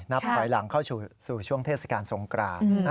ถอยหลังเข้าสู่ช่วงเทศกาลสงกราน